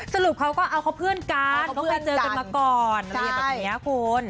สรุปเขาก็เอาเขาเพื่อนกันเขาเคยเจอกันมาก่อนอะไรแบบนี้คุณ